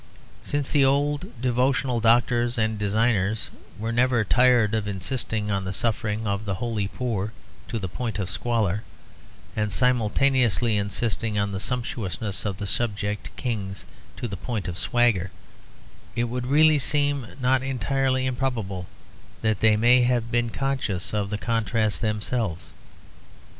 Since the old devotional doctors and designers were never tired of insisting on the sufferings of the holy poor to the point of squalor, and simultaneously insisting on the sumptuousness of the subject kings to the point of swagger, it would really seem not entirely improbable that they may have been conscious of the contrast themselves.